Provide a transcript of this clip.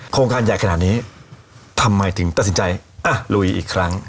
การใหญ่ขนาดนี้ทำไมถึงตัดสินใจอ่ะลุยอีกครั้ง